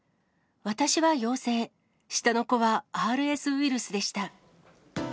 私は陽性、下の子はＲＳウイルスでした。